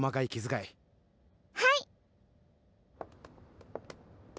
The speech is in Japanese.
はい！